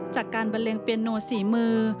จากการบันเลงเปียโนฝีมือ